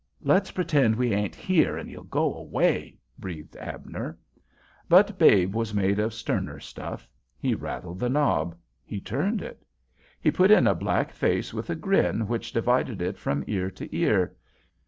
"Let pretend we ain't here and he'll go away," breathed Abner. But Babe was made of sterner stuff. He rattled the knob. He turned it. He put in a black face with a grin which divided it from ear to ear.